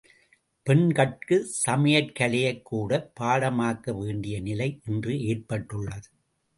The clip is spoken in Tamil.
பெண்கட்குச் சமையற்கலையைக் கூடப் பாடமாக்க வேண்டிய நிலை இன்று ஏற்பட்டுள்ளது.